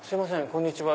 こんにちは